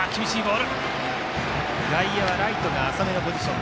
外野はライトが浅めのポジション。